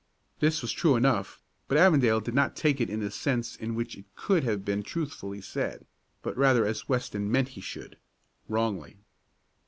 This was true enough, but Avondale did not take it in the sense in which it could have been truthfully said, but, rather, as Weston meant he should wrongly.